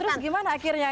terus gimana akhirnya